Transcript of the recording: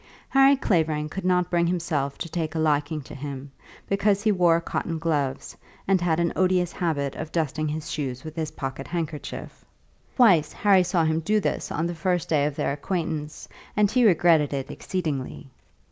Harry Clavering could not bring himself to take a liking to him, because he wore cotton gloves and had an odious habit of dusting his shoes with his pocket handkerchief. Twice Harry saw him do this on the first day of their acquaintance, and he regretted it exceedingly.